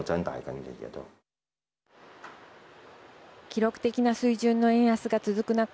記録的な水準の円安が続く中